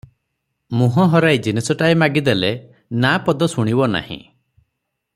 ମୁଁହ ହରାଇ ଜିନିଷଟାଏ ମାଗିଦେଲେ ନା ପଦ ଶୁଣିବ ନାହିଁ ।